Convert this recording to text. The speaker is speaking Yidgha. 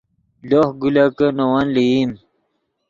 لوہ گولکے نے ون لئیم